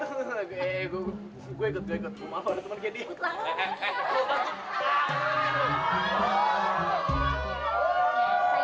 maaf ada temen kayak dia